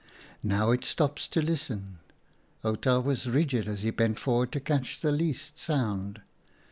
" Now it stops to listen." Outa was rigid as he bent forward to catch the least sound.